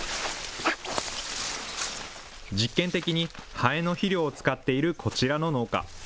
実験的にハエの肥料を使っているこちらの農家。